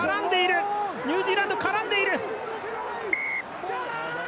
ニュージーランド、絡んでいる。